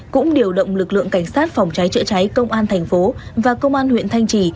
cũng điều động lực lượng cảnh sát phòng cháy chữa cháy công an thành phố và công an huyện thanh trì